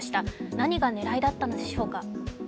何が狙いだったのでしょうか。